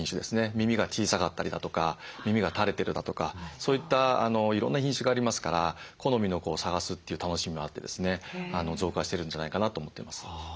耳が小さかったりだとか耳が垂れてるだとかそういったいろんな品種がありますから好みの子を探すという楽しみもあってですね増加してるんじゃないかなと思っています。